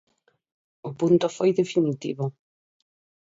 O punto foi definitivo.